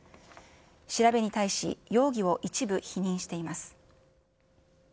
調べに対し、容疑を一部否認しています。